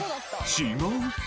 違う？